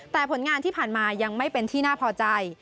แต่ผลงานที่ผ่านมายังไม่เป็นที่น่าพอใจ